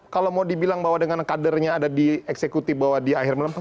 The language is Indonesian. kalau mau dibilang bahwa dengan kadernya ada di eksekutif bahwa dia akhirnya melampaui